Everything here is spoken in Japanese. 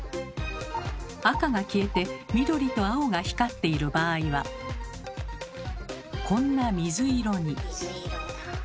赤が消えて緑と青が光っている場合はこんな水色に。